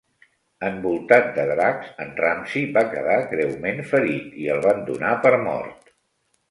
Envoltat de dracs, en Ramsey va quedar greument ferit i el van donar per mort.